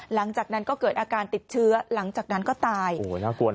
หลังจากนั้นก็เกิดอาการติดเชื้อหลังจากนั้นก็ตายโอ้โหน่ากลัวนะ